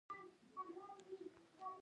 بايد وشکول سي او په یو اطاق کي ځای پر ځای سي